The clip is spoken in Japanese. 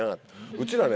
うちらね